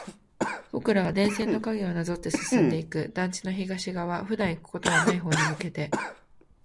僕らは電線の影をなぞって進んでいく。団地の東側、普段行くことはない方に向けて。